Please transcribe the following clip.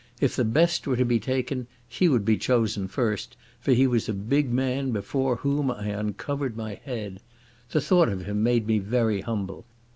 If the best were to be taken, he would be chosen first, for he was a big man, before whom I uncovered my head. The thought of him made me very humble.